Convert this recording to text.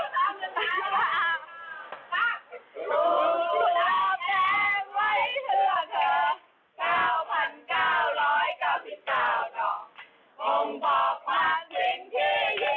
๙๙๙๙ต่อมงบอกความจริงที่ยิ่งใหญ่